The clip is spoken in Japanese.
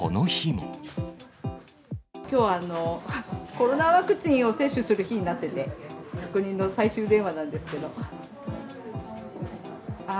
きょう、コロナワクチンを接種する日になってて、確認の最終電話なんですけど。